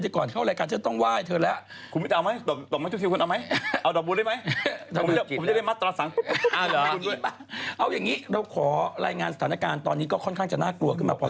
ตื่นเจ้ามาก่อนมาทำงานก็สวดมาหาก่า